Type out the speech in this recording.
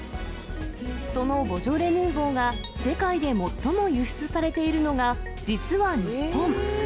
そのボジョレ・ヌーボーが世界で最も輸出されているのが、実は日本。